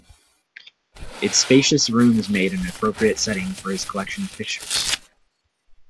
Its spacious rooms made an appropriate setting for his collection of pictures.